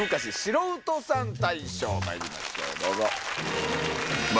まいりましょうどうぞ。